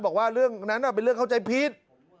บอกว่าเรื่องนั้นเป็นเรื่องเข้าใจผิด